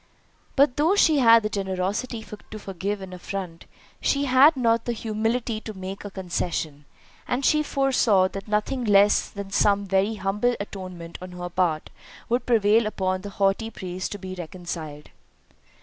But though she had the generosity to forgive an affront, she had not the humility to make a concession; and she foresaw that nothing less than some very humble atonement on her part would prevail upon the haughty priest to be reconciled.